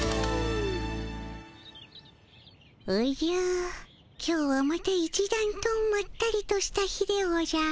おじゃ今日はまたいちだんとまったりとした日でおじゃる。